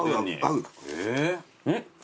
うん！